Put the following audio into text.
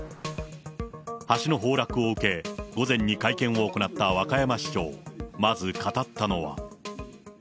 橋の崩落を受け、午前に会見を行った和歌山市長、まず語ったのは。